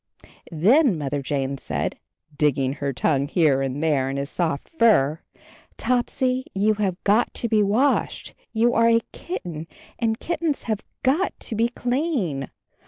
Then Mother Jane said, digging her tongue here and there in his soft fur, "Topsy, you have got to be washed. You are a kitten, and kittens have got to be clean.